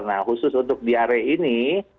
nah khusus untuk diare ini